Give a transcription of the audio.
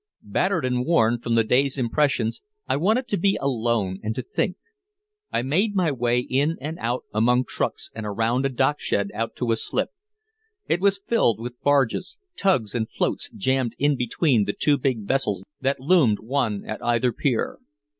Battered and worn from the day's impressions I wanted to be alone and to think. I made my way in and out among trucks and around a dockshed out to a slip. It was filled with barges, tugs and floats jammed in between the two big vessels that loomed one at either pier.